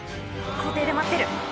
校庭で待ってる。